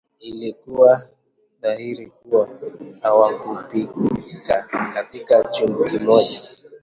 Ilikuwa dhahiri kuwa hawakupikka katika chungu kimoja